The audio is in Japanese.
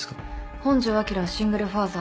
本庄昭はシングルファーザー。